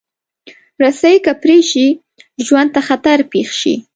رسۍ که پرې شي، ژوند ته خطر پېښ شي.